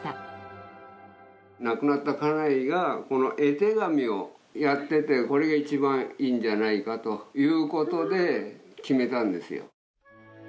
亡くなった家内がこの絵手紙をやっててこれが一番いいんじゃないかという事で決めたんですよ。